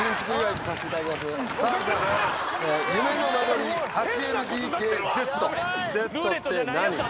「夢の間取り８ＬＤＫＺＺって何？」